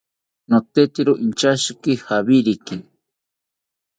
Nototero inchashi jawiriki